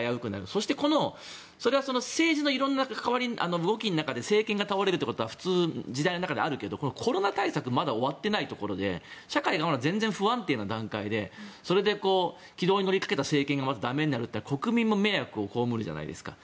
そして、それは政治の色々な動きの中で政権が倒れるということは時代の中であるけどコロナ対策まだ終わってないところで社会がまだ全然不安定な中でそれで軌道に乗りかけた政権が駄目になるって国民も迷惑をこうむるじゃないですか。